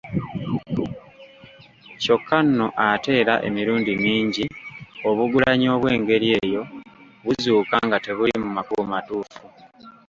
Kyokka nno ate era emirundi mingi obugulanyi obw’engeri eyo buzuuka nga tebuli mu makubo matuufu.